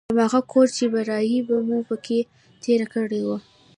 هماغه کور چې برايي به مو په کښې تېره کړې وه.